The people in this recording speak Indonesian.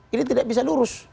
ini tidak bisa lurus